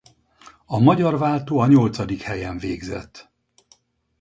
A magyar váltó a nyolcadik helyen végzett.